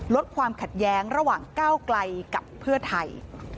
ลดความขัดแย้งระหว่างก้าวไกลกับเพื่อไทย